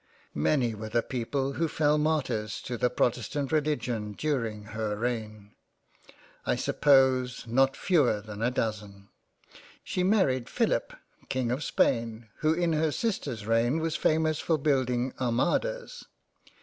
Many were the people who fell martyrs to the protestant Religion during her reign ; I suppose noj; fewer than a dozen. She married Philip King of Spain who in her sister's reign was famous for building Armadas.